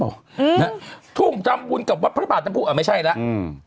อืมนะฮะทุ่มทำบุญกับวัดพระบาทน้ำผู้อ่ะไม่ใช่แล้วอืม